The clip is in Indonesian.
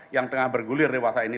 yang tengah bergulir dewasa ini